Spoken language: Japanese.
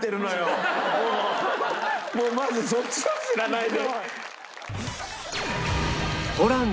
もうまずそっちを知らないで。